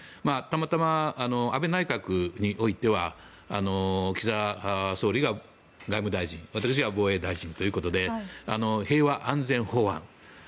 たまたま安倍内閣においては岸田総理が外務大臣私が防衛大臣ということで平和安全法案。